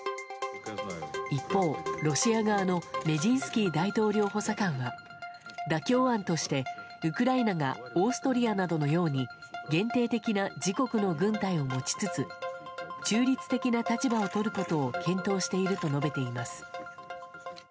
一方、ロシア側のメジンスキー大統領補佐官は妥協案としてウクライナがオーストリアなどのように限定的な自国の軍隊を持ちつつ中立的な立場をとることを検討していると述べています。